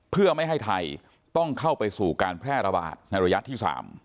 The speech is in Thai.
เพื่อไม่ให้ไทยต้องเข้าไปสู่การแพร่ระบาดในระยะที่๓